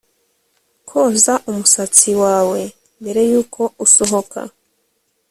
koza umusatsi wawe mbere yuko usohoka